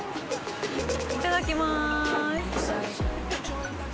いただきます。